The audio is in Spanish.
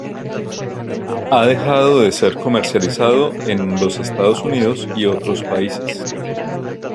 Ha dejado de ser comercializado en los Estados Unidos y otros países.